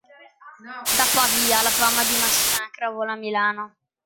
Da Pavia la fama di Massacra vola a Milano.